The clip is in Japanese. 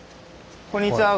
こんにちは。